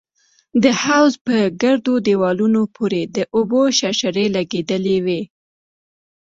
د حوض په ګردو دېوالونو پورې د اوبو شرشرې لگېدلې وې.